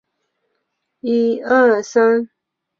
窄额滑虾蛄为虾蛄科滑虾蛄属下的一个种。